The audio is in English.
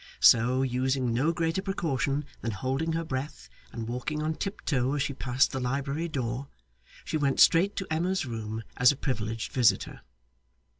So, using no greater precaution than holding her breath and walking on tiptoe as she passed the library door, she went straight to Emma's room as a privileged visitor.